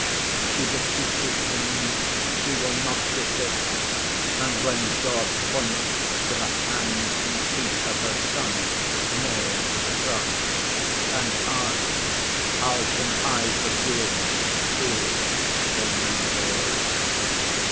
She beseeches Him, she will not desist, and when God points to the hands and feet of her Son, nailed to the Cross, and asks, 'How can I forgive His tormentors?